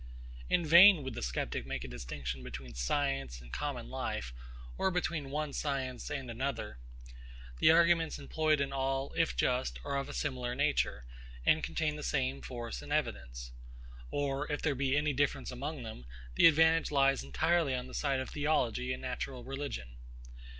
In vain would the sceptic make a distinction between science and common life, or between one science and another. The arguments employed in all, if just, are of a similar nature, and contain the same force and evidence. Or if there be any difference among them, the advantage lies entirely on the side of theology and natural religion.